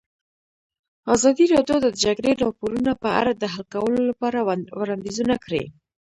ازادي راډیو د د جګړې راپورونه په اړه د حل کولو لپاره وړاندیزونه کړي.